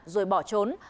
rồi bỏ trốn